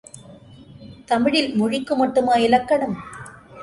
தமிழில் மொழிக்கு மட்டுமா இலக்கணம்!